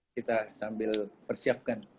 kita sambil persiapkan